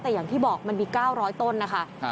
แต่อย่างที่บอกมันมี๙๐๐ต้นนะคะ